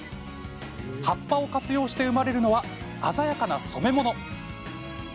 葉っぱを活用して生まれるのは鮮やかな染め物。